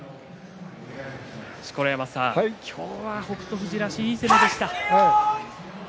錣山さん、今日は北勝富士らしい、いい相撲でした。